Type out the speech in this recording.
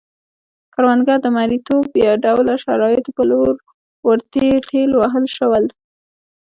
کروندګر د مریتوب ډوله شرایطو په لور ورټېل وهل شول.